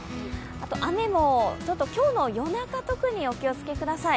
雨もちょっと今日の夜中、特にお気をつけください。